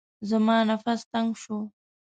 زما نفس تنګ شو.